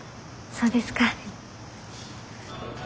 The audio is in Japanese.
そうですか。